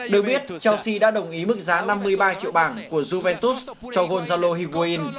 được biết chelsea đã đồng ý mức giá năm mươi ba triệu bảng của juventus cho gonzalo hivoi